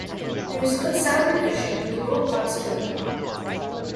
There is good salmon fishing in the lower parts of the river.